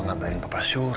tidak ada yang bisa dikira